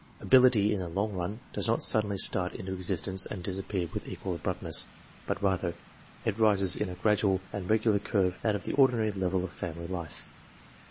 Ability, in the long run, does not suddenly start into existence and disappear with equal abruptness, but rather, it rises in a gradual and regular curve out of the ordinary level of family life.